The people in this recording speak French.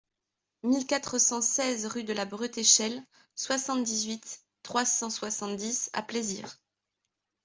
mille quatre cent seize rue de la Bretéchelle, soixante-dix-huit, trois cent soixante-dix à Plaisir